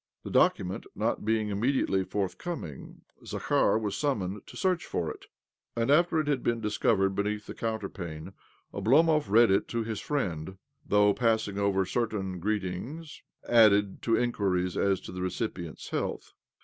" The document not being immediately forthcoming, Zakhar was summoned to search for it ; and after it had been dis covered beneath the counterpane Oblomov read it to his friend— though passing over certain greetings, added to inquiries as to the recipient's health.